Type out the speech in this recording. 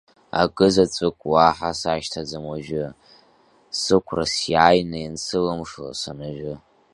Акызаҵәык уаҳа сашьҭаӡам уажәы, сықәра сиааины иансылымшо, санажәы.